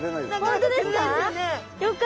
本当ですか？